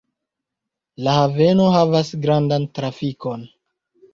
La haveno havas grandan trafikon.